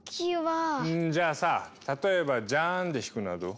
んじゃあさ例えばジャーンで弾くのはどう？